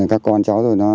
các con cháu rồi